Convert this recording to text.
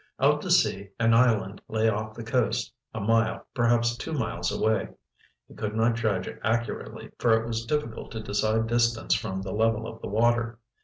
Out to sea an island lay off the coast, a mile, perhaps two miles away. He could not judge accurately, for it is difficult to decide distance from the level of the water.